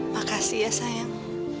makasih ya sayang